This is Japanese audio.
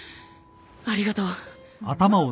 ありがとう。